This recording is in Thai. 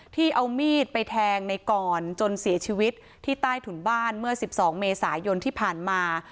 ที่เอามีดไปแทงในกรจนเสียชีวิตที่ใต้ถุนบ้านเมื่อ๑๒เมษายนที่ผ่านมา